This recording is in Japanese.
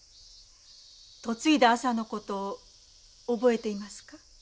嫁いだ朝の事を覚えていますか？